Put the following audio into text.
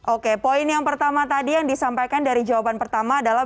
oke poin yang pertama tadi yang disampaikan dari jawaban pertama adalah